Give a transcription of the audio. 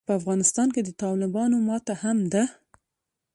په افغانستان کې د طالبانو ماته هم ده.